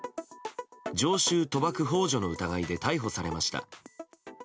常習賭博幇助の疑いで逮捕されました。